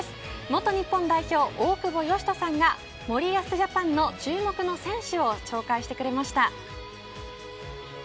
元日本代表大久保嘉人さんが森保ジャパンの注目の選手を紹介してくれました。